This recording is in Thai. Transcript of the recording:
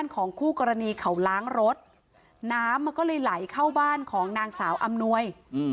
ของคู่กรณีเขาล้างรถน้ำมันก็เลยไหลเข้าบ้านของนางสาวอำนวย